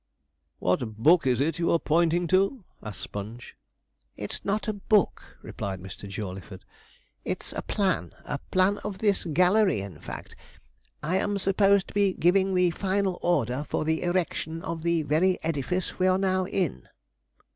'What book is it you are pointing to?' asked Sponge. 'It's not a book,' replied Mr. Jawleyford, 'it's a plan a plan of this gallery, in fact. I am supposed to be giving the final order for the erection of the very edifice we are now in.'